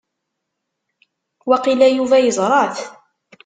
Waqila Yuba yeẓra-t.